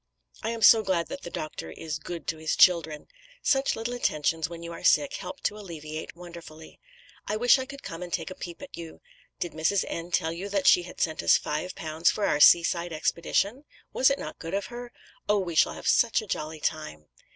I am so glad that the doctor is good to his "children." Such little attentions when you are sick help to alleviate wonderfully. I wish I could come and take a peep at you. Did Mrs. N. tell you that she had sent us five pounds for our seaside expedition? Was it not good of her? Oh! we shall have such a jolly time.